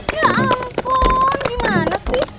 ya ampun gimana sih